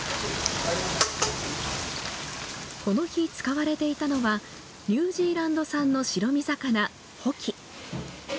この日、使われていたのはニュージーランド産の白身魚、ホキ。